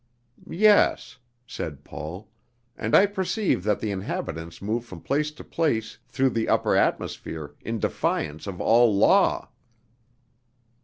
"Yes," said Paul, "and I perceive that the inhabitants move from place to place through the upper atmosphere in defiance of all law!"